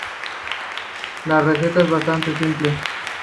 La receta es bastante simple.